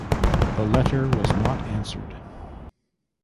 The letter was not answered.